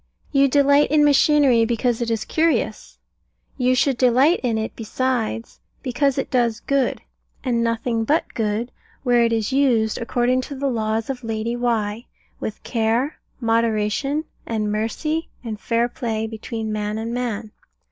You delight in machinery because it is curious: you should delight in it besides because it does good, and nothing but good, where it is used, according to the laws of Lady Why, with care, moderation, and mercy, and fair play between man and man.